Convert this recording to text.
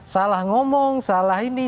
salah ngomong salah ini